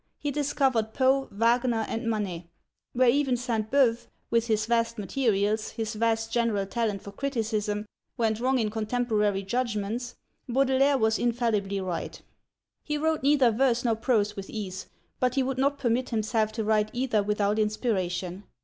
He discovered Poe, Wagner, and Manet. Where even Sainte Beuve, with his vast materials, his vast general talent for criticism, went wrong in contemporary judgments, Baudelaire was infallibly right. He wrote neither verse nor prose with ease, but he would not permit himself to write either without inspiration.